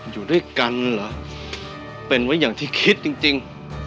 อยู่ด้วยกันเหรอเป็นไว้อย่างที่คิดจริง